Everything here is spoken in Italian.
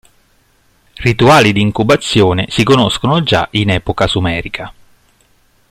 Rituali di incubazione si conoscono già in epoca sumerica.